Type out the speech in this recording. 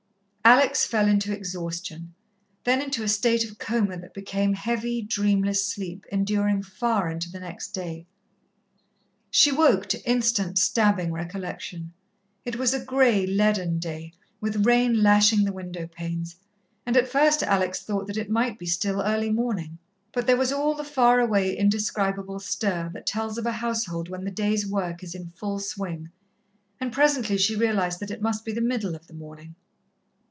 Alex fell into exhaustion, then into a state of coma that became heavy, dreamless sleep enduring far into the next day. She woke to instant, stabbing recollection. It was a grey, leaden day, with rain lashing the window panes, and at first Alex thought that it might be still early morning, but there was all the far away, indescribable stir that tells of a household when the day's work is in full swing, and presently she realized that it must be the middle of the morning.